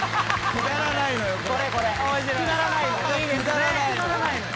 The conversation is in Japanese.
くだらないのよ。